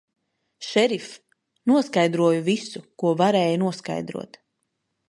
Šerif, noskaidroju visu, ko varēja noskaidrot.